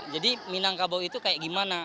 jadi minangkabau itu kayak gimana